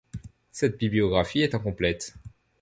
Cette bibliographie est incomplète.